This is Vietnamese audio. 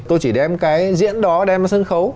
tôi chỉ đem cái diễn đó đem vào sân khấu